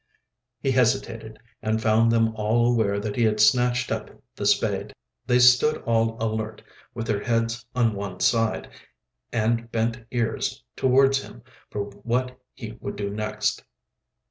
He hesitated, and found them all aware that he had snatched up the spade. They stood all alert, with their heads on one side, and bent ears towards him for what he would do next.